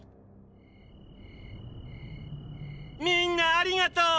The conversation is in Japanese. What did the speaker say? みんなありがとう！